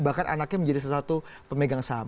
bahkan anaknya menjadi salah satu pemegang saham